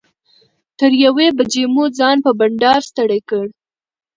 تر یوې بجې مو ځان په بنډار ستړی کړ.